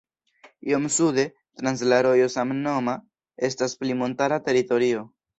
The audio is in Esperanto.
Iom sude, trans la rojo samnoma, estas pli montara teritorio.